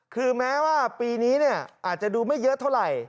คือแม้ว่าปีนี้อาจจะดูไม่เยอะเท่าไหร่